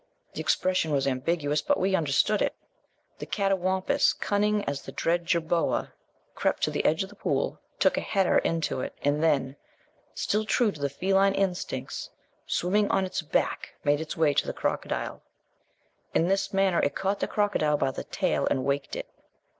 The expression was ambiguous, but we understood it. The catawampuss, cunning as the dread jerboa, crept to the edge of the pool, took a header into it, and then, still true to the feline instincts, swimming on its back, made its way to the crocodile. In this manner it caught the crocodile by the tail and waked it.